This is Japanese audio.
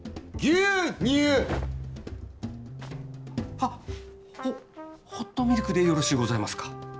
はっホホットミルクでよろしゅうございますか？